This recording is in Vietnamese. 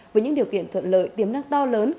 với những điều kiện thuận lợi tiềm năng to lớn